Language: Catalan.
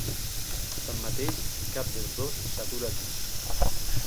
Tanmateix, cap dels dos s'atura aquí.